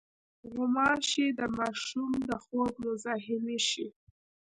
غوماشې د ماشوم د خوب مزاحمې شي.